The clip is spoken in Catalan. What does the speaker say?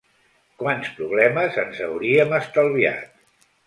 Quants problemes ens hauríem estalviat.